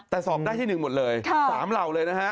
แต่สอบได้ที่๑หมดเลย๓เหล่าเลยนะฮะ